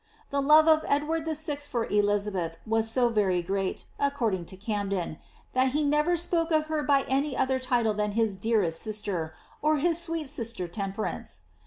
The love of Eldward VI. for Elizabeth was so very great, according to Camden, that he never spoke of her by any other title than his ^ dearest sister,^^ or ^ his sweet sister Temperance.'